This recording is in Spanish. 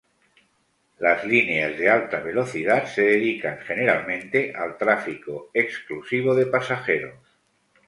Las líneas de alta velocidad se dedican generalmente al tráfico exclusivo de pasajeros.